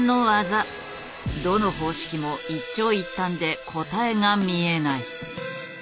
どの方式も一長一短で答えが見えない。